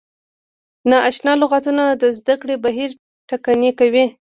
نا اشنا لغتونه د زده کړې بهیر ټکنی کوي.